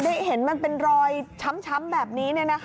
เห็นมันเป็นรอยช้ำแบบนี้